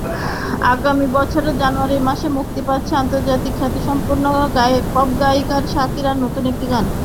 আগামী বছরের জানুয়ারি মাসে মুক্তি পাচ্ছে আন্তর্জাতিক খ্যাতিসম্পন্ন পপগায়িকা শাকিরার নতুন একটি গান।